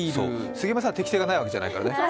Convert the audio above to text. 杉山さん、適性がないわけじゃないからね。